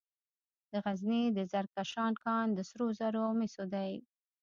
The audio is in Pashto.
د غزني د زرکشان کان د سرو زرو او مسو دی.